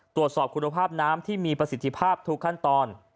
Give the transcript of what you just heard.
ตรวจสอบคุณภาพน้ำที่มีประสิทธิภาพทุกขั้นตอน